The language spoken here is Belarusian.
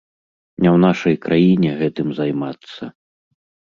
Не ў нашай краіне гэтым займацца.